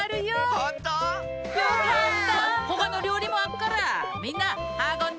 ほかのりょうりもあっからみんなはこんで！